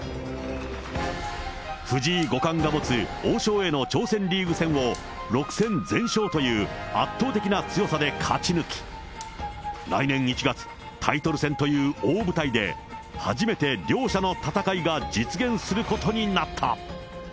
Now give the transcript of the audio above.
藤井五冠が持つ王将への挑戦リーグ戦を、６戦全勝という圧倒的な強さで勝ち抜き、来年１月、タイトル戦という大舞台で、初めて両者の戦いが実現することになった。